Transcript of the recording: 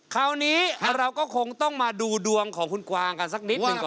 คราวนี้เราก็คงต้องมาดูดวงของคุณกวางกันสักนิดหนึ่งก่อน